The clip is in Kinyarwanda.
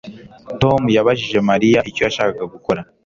Tom yabajije Mariya icyo yashakaga gukora